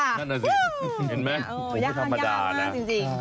นั่นแหละสิเห็นมั้ยยากมากจริง